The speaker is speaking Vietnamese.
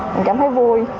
mình cảm thấy vui